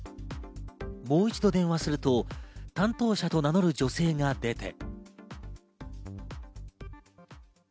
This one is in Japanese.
もう一度電話すると担当者と名乗る女性が出て。